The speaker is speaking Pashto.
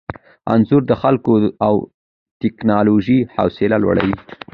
انځور د خلکو او ټیکنالوژۍ حوصله لوړوي.